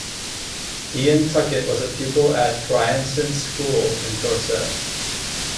Iain Tuckett was a pupil at Bryanston School in Dorset.